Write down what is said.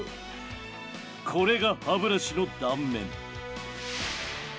これが歯ブラシの断面。